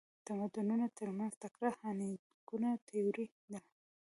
د تمدنونو ترمنځ ټکر د هانټینګټون تيوري ده.